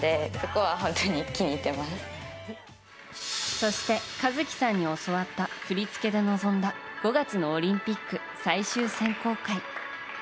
そしてｋａｚｕｋｉさんに教わった振り付けで臨んだ５月のオリンピック最終選考会。